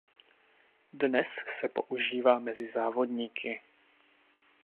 Dnes se používá mezi závodníky.